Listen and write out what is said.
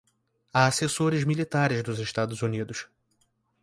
há assessores militares dos Estados Unidos